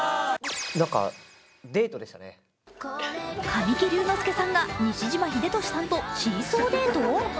神木隆之介さんが西島秀俊さんとシーソーデート？